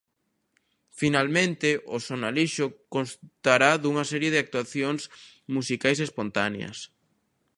Finalmente, o Sonalixo constará dunha serie de actuacións musicais espontáneas.